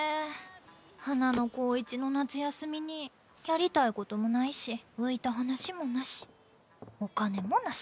華の高１の夏休みにやりたいこともないし浮いた話もなしお金もなし。